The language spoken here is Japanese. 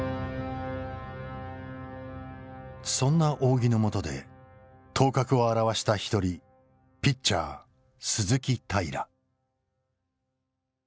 そんな仰木のもとで頭角を現した一人ピッチャー鈴木平。